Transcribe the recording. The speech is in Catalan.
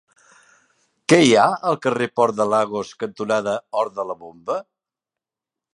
Què hi ha al carrer Port de Lagos cantonada Hort de la Bomba?